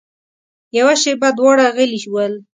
يوه شېبه دواړه غلي ول.